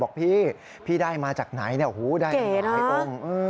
บอกพี่พี่ได้มาจากไหนเนี่ยโอ้โฮได้หลายองค์